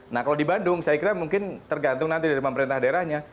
nah kalau di bandung saya kira mungkin tergantung nanti dari pemerintah daerahnya